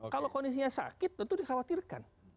kalau kondisinya sakit tentu dikhawatirkan